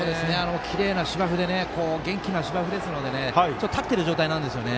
きれいな芝生で元気な芝生なので立ってる状態なんですよね。